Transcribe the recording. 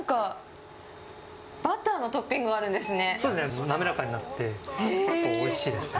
バターのトッピングがあるんですね。